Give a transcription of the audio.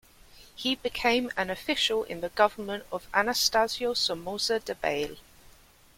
He became an official in the government of Anastasio Somoza Debayle.